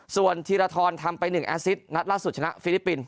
ส่วนธีรทรทำไป๑แอสซิตนัดล่าสุดชนะฟิลิปปินส